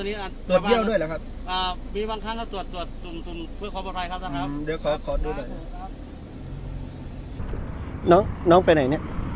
นะน้องไปไหน